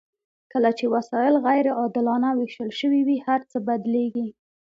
کله چې وسایل غیر عادلانه ویشل شوي وي هرڅه بدلیږي.